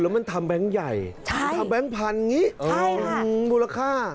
มันทำแบงค์ใหญ่ทำแบงค์พันธุ์อย่างนี้มูลค่า